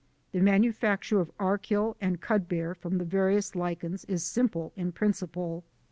The manufacture of Archil and Cudbear from the various lichens is simple in principle.